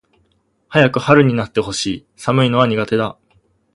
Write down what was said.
早く春になって欲しい。寒いのは苦手だ。